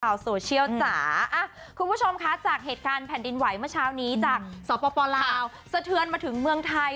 โซเชียลจ๋าคุณผู้ชมคะจากเหตุการณ์แผ่นดินไหวเมื่อเช้านี้จากสปลาวสะเทือนมาถึงเมืองไทย